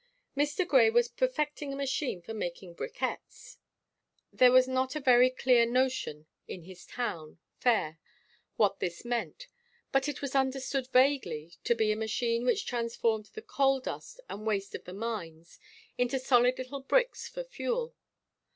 Mr. Grey was perfecting a machine for making bricquettes. There was not a very clear notion in his town Fayre what this meant, but it was understood vaguely to be a machine which transformed the coal dust and waste of the mines into solid little bricks for fuel.